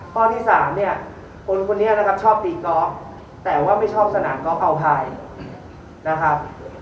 ข้อที่๓เนี่ยคนคนนี้นะครับชอบตีกอล์ฟแต่ว่าไม่ชอบสนามกอล์เอาพายนะครับ